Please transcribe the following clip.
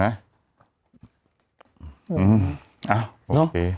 อ้าวโอเค